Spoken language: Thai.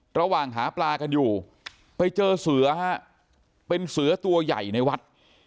ระหว่างหาปลากันอยู่ไปเจอเสือฮะเป็นเสือตัวใหญ่ในวัด